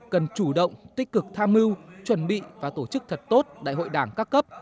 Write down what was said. cần chủ động tích cực tham mưu chuẩn bị và tổ chức thật tốt đại hội đảng các cấp